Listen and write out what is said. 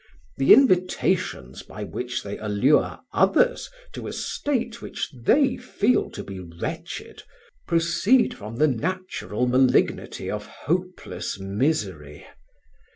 The invitations by which they allure others to a state which they feel to be wretched, proceed from the natural malignity of hopeless misery.